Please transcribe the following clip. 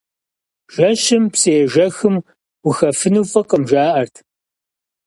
Жэщым псыежэхым ухэфыну фӀыкъым, жаӀэрт.